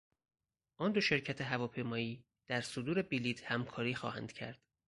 آن دو شرکت هواپیمایی در صدور بلیت همکاری خواهند کرد.